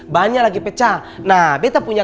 banyak lagi pecah nah beta punya